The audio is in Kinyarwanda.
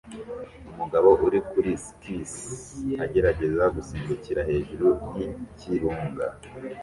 Umugabo uri kuri skisi agerageza gusimbukira hejuru yikirunga